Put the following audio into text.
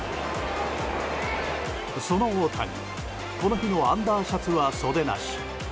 その大谷、この日のアンダーシャツは袖なし。